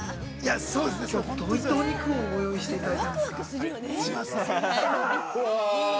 ◆きょうはどういったお肉をご用意していただいたんですか。